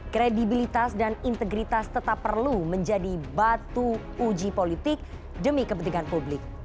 kredibilitas dan integritas tetap perlu menjadi batu uji politik demi kepentingan publik